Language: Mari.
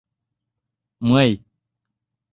— Мый.